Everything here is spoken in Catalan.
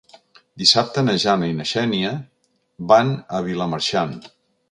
Dissabte na Jana i na Xènia van a Vilamarxant.